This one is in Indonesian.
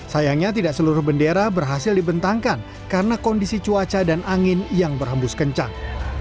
sayangnya tidak seluruh bendera berhasil dibentangkan karena kondisi cuaca dan angin yang berhembus kencang